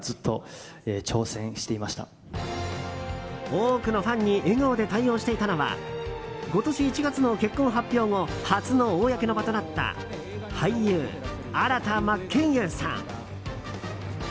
多くのファンに笑顔で対応していたのは今年１月の結婚発表後初の公の場となった俳優・新田真剣佑さん。